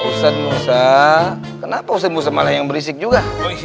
halo ustadz musa kenapa ustadz musa malah yang berisik juga